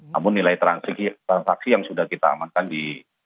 namun nilai transaksi yang sudah kita amankan di